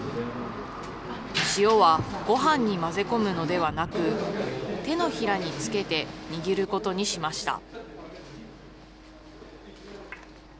塩はごはんに混ぜ込むのではなく、てのひらにつけて握ることにしました。